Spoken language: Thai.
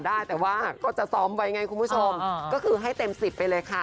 ได้แต่ว่าก็จะซ้อมไว้ไงคุณผู้ชมก็คือให้เต็มสิบไปเลยค่ะ